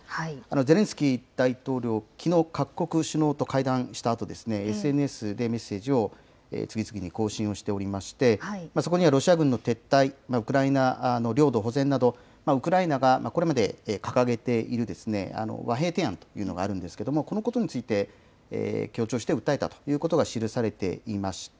ゼレンスキー大統領、きのう、各国首脳と会談したあと、ＳＮＳでメッセージを次々に更新をしておりまして、そこにはロシア軍の撤退、ウクライナ領土保全などウクライナがこれまで掲げている和平提案というのがあるんですけれども、このことについて強調して訴えたということが記されていました。